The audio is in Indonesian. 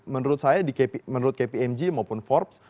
menurut saya menurut kpmg maupun forbes